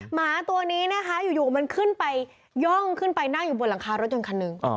หมาตัวนี้นะคะอยู่มันขึ้นไปย่องขึ้นไปนั่งอยู่บนหลังคารถยนต์คันหนึ่ง